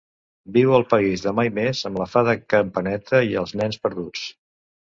Viu al País de Mai Més amb la fada Campaneta i els Nens Perduts.